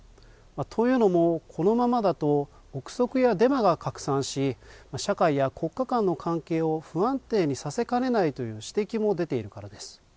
というのも、このままだと臆測やデマが拡散し、社会や国家間の関係を不安定にさせかねないという指摘も出ているからです。